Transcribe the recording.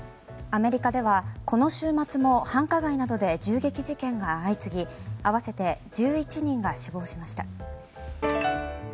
アメリカではこの週末も繁華街などで銃撃事件が相次ぎ合わせて１１人が死亡しました。